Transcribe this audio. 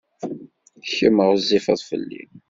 Kemm ɣezzifeḍ fell-i.